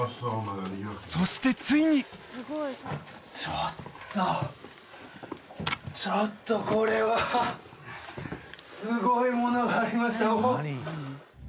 ちょっとちょっとこれはすごいものがありましたよ